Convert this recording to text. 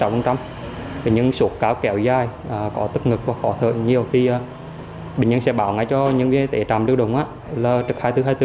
bệnh nhân sụt cao kẹo dài có tức ngực và khó thở nhiều thì bệnh nhân sẽ bảo ngay cho nhân viên tại trạm y tế lưu động là trực hai mươi bốn hai mươi bốn